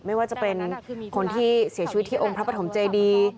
ไม่ว่าจะเป็นคนที่เสียชีวิตที่องค์พระปฐมเจดี